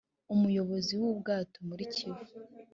umuyobozi w’ubwato muri kivu